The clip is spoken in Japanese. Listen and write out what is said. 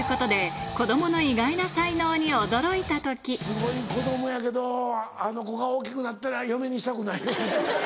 すごい子供やけどあの子が大きくなったら嫁にしたくないよな。